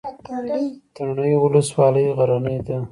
تڼیو ولسوالۍ غرنۍ ده؟